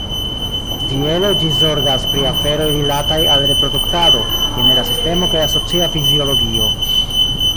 Tiele ĝi zorgas pri aferoj rilataj al reproduktado, genera sistemo kaj asocia fiziologio.